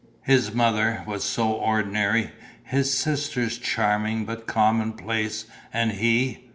His mother was so ordinary, his sisters charming but commonplace and he